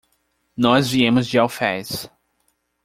Nós viemos de Alfés.